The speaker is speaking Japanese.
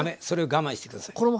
それを我慢して下さい。